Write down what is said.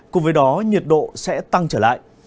cùng với đó nhiệt độ sẽ tăng trở lại